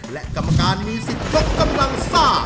และกรรมการมีสิทธิ์ยกกำลังซ่า